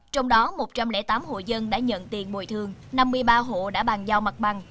trong đó một trăm linh tám hội dân đã nhận tiền bồi thương năm mươi ba hộ đã ban giao mặt bằng